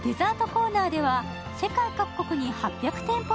コーナーでは世界各国に８００店舗